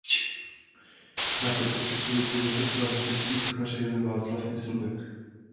Naproti přes ulici zase slavný český sochař Josef Václav Myslbek.